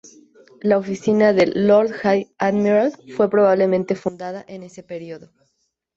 La oficina del "Lord High Admiral" fue probablemente fundada en ese periodo.